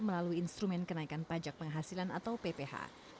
melalui instrumen kenaikan pajak penghasilan atau pph